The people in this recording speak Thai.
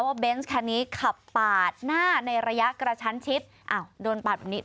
เบนส์คันนี้ขับปาดหน้าในระยะกระชั้นชิดอ้าวโดนปาดแบบนี้